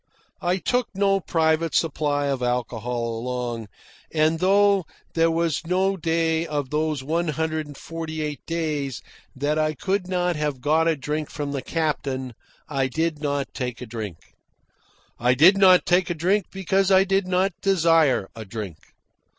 I took no private supply of alcohol along, and, though there was no day of those one hundred and forty eight days that I could not have got a drink from the captain, I did not take a drink. I did not take a drink because I did not desire a drink.